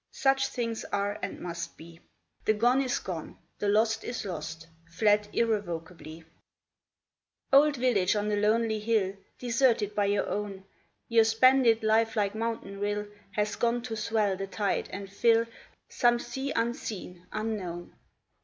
Such things are and must be. The gone is gone, the lost is lost, Fled irrevocably. THE OLD VILLAGE. 251 Old village on the lonely hill, Deserted by your own, Your spended lifelike mountain rill Has gone to swell the tide and fill Some sea unseen, unknown.